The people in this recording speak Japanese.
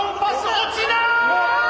落ちない！